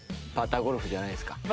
パターゴルフじゃないですか？